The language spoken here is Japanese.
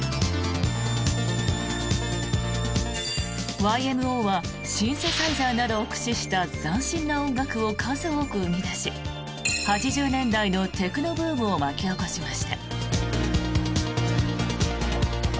ＹＭＯはシンセサイザーなどを駆使した斬新な音楽を数多く生み出し８０年代のテクノブームを巻き起こしました。